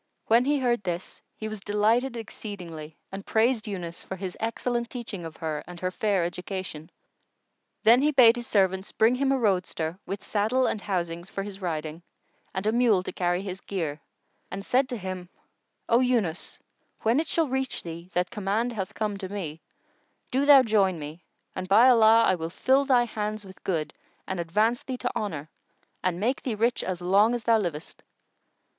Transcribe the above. When he heard this, he was delighted exceedingly and praised Yunus for his excellent teaching of her and her fair education. Then he bade his servants bring him a roadster with saddle and housings for his riding, and a mule to carry his gear, and said to him, "O Yunus, when it shall reach thee that command hath come to me, do thou join me; and, by Allah, I will fill thy hands with good and advance thee to honour and make thee rich as long as thou livest!"